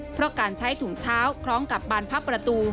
เพราะการใช้ถุงเท้าคล้องกับบานพับประตู